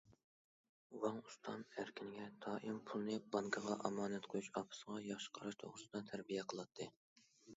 ۋاڭ ئۇستام ئەركىنگە دائىم پۇلنى بانكىغا ئامانەت قويۇش، ئاپىسىغا ياخشى قاراش توغرىسىدا تەربىيە قىلاتتى.